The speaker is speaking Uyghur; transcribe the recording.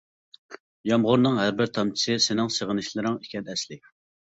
يامغۇرنىڭ ھەر بىر تامچىسى سېنىڭ سېغىنىشلىرىڭ ئىكەن ئەسلى.